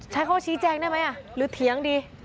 เฮ้ยมันคุยกันได้มันคุยกันได้